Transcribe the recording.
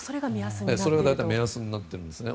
それが大体目安になっているんですね。